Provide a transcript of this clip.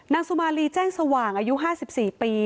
นางสุมาลีแจ้งสว่างอายุ๕๔ปี